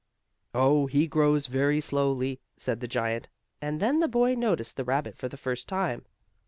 "Oh, he grows very slowly," said the giant, and then the boy noticed the rabbit for the first time.